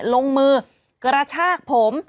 ลงมือกระชากผม